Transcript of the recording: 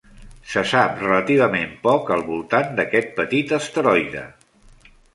Se sap relativament poc al voltant d'aquest petit asteroide.